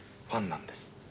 「ファンなんです。